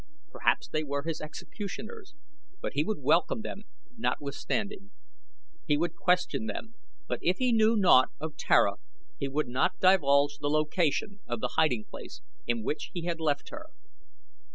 Perhaps they were his executioners; but he would welcome them notwithstanding. He would question them. But if they knew naught of Tara he would not divulge the location of the hiding place in which he had left her.